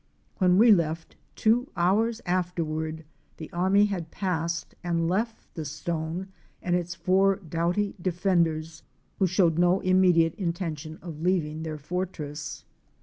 When we left, two hours afterward, the army had passed, and left the stone and its four doughty defenders, who showed no immediate mtention of leaving their fortress.